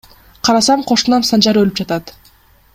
Карасам кошунам Санжар өлүп жатат.